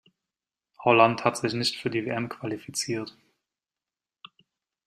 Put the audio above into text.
Holland hat sich nicht für die WM qualifiziert.